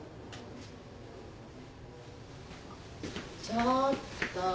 ちょっと。